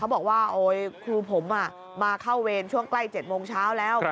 บอกว่าโอ๊ยครูผมมาเข้าเวรช่วงใกล้๗โมงเช้าแล้ว